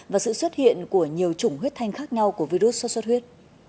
và sự xuất hiện của nhiều chủng huyết thanh khác nhau của virus sốt xuất huyết